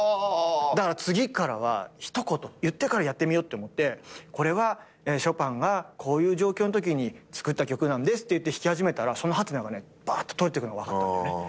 だから次からは一言言ってからやってみよって思ってこれはショパンがこういう状況のときに作った曲なんですって言って弾き始めたらその「？」がばーっと取れてくのが分かったんだよね。